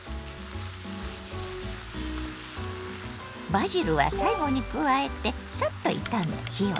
バジルは最後に加えてサッと炒め火を止めます。